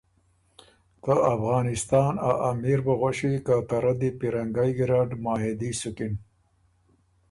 ته افغانستا ا امیر بُو غؤݭی که ته رۀ دی پیرنګئ ګیرډ معاهدي سُکِن